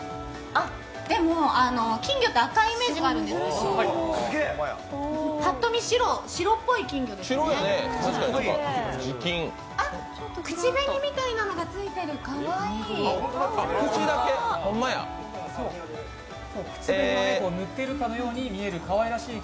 でも、金魚って赤いイメージがあるんですけど、パッと見、白っぽい金魚ですねあっ、口紅みたいなのがついてる、かわいい。